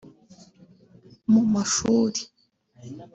mu mashuri